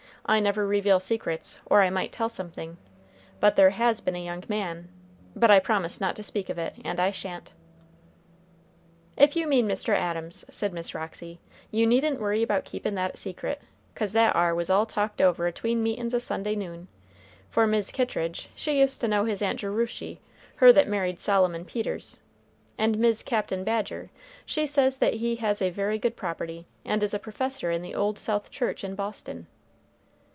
"I never reveal secrets, or I might tell something, but there has been a young man, but I promised not to speak of it, and I sha'n't." "If you mean Mr. Adams," said Miss Roxy, "you needn't worry about keepin' that secret, 'cause that ar was all talked over atween meetin's a Sunday noon; for Mis' Kittridge she used to know his aunt Jerushy, her that married Solomon Peters, and Mis' Captain Badger she says that he has a very good property, and is a professor in the Old South church in Boston."